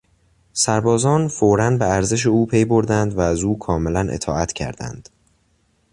سربازان فورا به ارزش او پی بردند و از او کاملا اطاعت کردند.